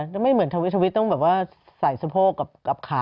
ทวิทย์ไม่เหมือนทวิทย์ทวิทย์ต้องแบบว่าใส่สะโพกกับขา